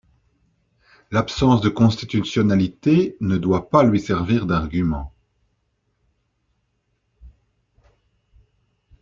L’absence de constitutionnalité ne doit pas lui servir d’argument.